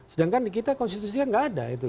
sedangkan di kita konstitusinya nggak ada itu